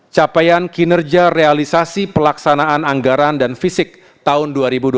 capaian kinerja realisasi pelaksanaan anggaran dan fisik tahun dua ribu dua puluh